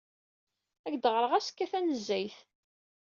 Ad ak-d-ɣreɣ azekka tanezzayt.